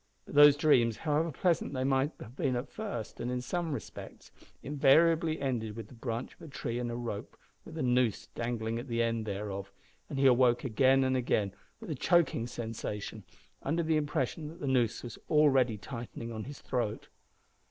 But those dreams, however pleasant they might be at first and in some respects, invariably ended with the branch of a tree and a rope with a noose dangling at the end thereof, and he awoke again and again with a choking sensation, under the impression that the noose was already tightening on his throat.